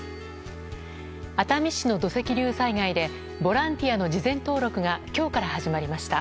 熱海市の土石流災害でボランティアの事前登録が今日から始まりました。